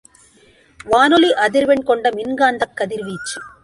வானொலி அதிர்வெண் கொண்டமின்காந்தக் கதிர்வீச்சு.